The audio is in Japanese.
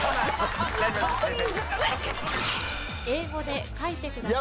［英語で書いてください］